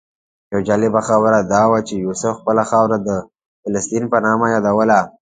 یوه جالبه خبره دا وه چې یوسف خپله خاوره د فلسطین په نامه یادوله.